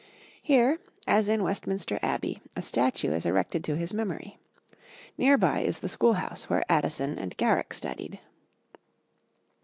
Here, as in Westminster Abbey, a statue is erected to his memory. Near by is the schoolhouse where Addison and Garrick studied.